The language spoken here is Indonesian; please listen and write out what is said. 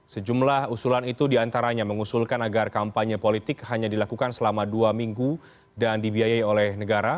sejumlah usulan itu diantaranya mengusulkan agar kampanye politik hanya dilakukan selama dua minggu dan dibiayai oleh negara